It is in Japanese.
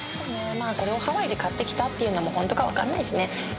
まあこれをハワイで買ってきたっていうのもホントか分かんないしね。